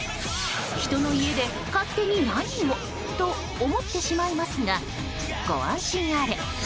人の家で勝手に何をと思ってしまいますがご安心あれ。